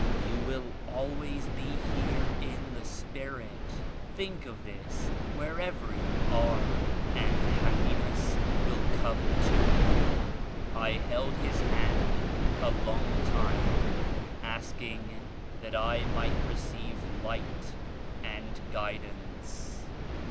You will al ways be here in the spirit. Think of this wher ever you are and happiness will come to you." I held his hand a long time, asking that I might receive Light and Guidance.